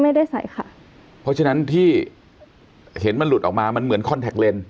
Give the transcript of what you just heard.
ไม่ได้ใส่ค่ะเพราะฉะนั้นที่เห็นมันหลุดออกมามันเหมือนคอนแท็กเลนส